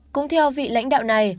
cũng theo vị lãnh đạo này